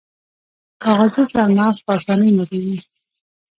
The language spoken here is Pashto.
کاغذي چهارمغز په اسانۍ ماتیږي.